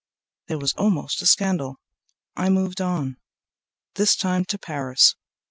) There was almost a scandal. I moved on, This time to Paris.